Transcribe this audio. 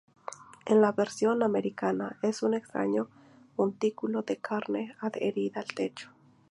En la versión americana, es un extraño montículo de carne adherida al techo.